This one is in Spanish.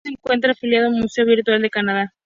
El museo se encuentra afiliado Museo virtual de Canadá.